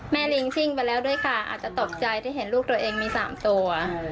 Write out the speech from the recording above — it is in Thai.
ลิงซิ่งไปแล้วด้วยค่ะอาจจะตกใจที่เห็นลูกตัวเองมี๓ตัว